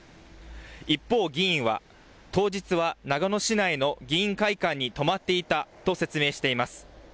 一方、議員は当日は長野市内の議員会館に泊まっていたと説明しています。